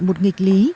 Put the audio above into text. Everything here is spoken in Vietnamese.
một nghịch lý